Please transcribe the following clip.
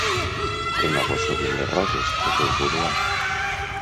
Renovo sovint les roses, al teu boudoir.